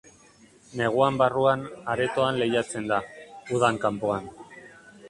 Neguan barruan, aretoan lehiatzen da, udan kanpoan.